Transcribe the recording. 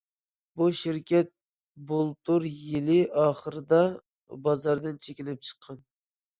بۇ شىركەت بۇلتۇر يىل ئاخىرىدا بازاردىن چېكىنىپ چىققان.